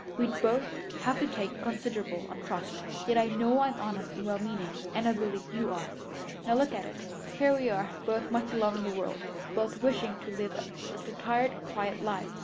We'd both have to take considerable on trust. Yet I know I'm honest and well meaning, and I believe you are. Now look at it. Here we are, both much alone in the world both wishing to live a retired, quiet life.